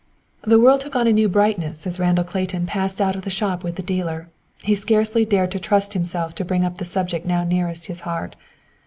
The world took on a new brightness as Randall Clayton passed out of the shop with the dealer. He scarcely dared to trust himself to bring up the subject now nearest his heart.